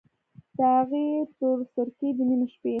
د هغې تورسرکي، د نیمې شپې